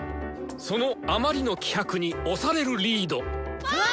そのあまりの気迫に押されるリード。わ！